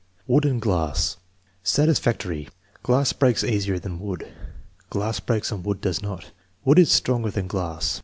Wood and glass Satisfactory. "Glass breaks easier than wood." "Glass breaks and wood does not." "Wood is stronger than glass."